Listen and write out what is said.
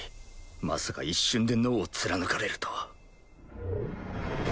まさか一瞬で脳を貫かれるとは